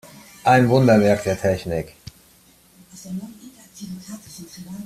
Ein Wunderwerk der Technik.